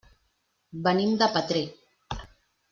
Venim de Petrer.